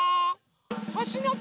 ほしのこ。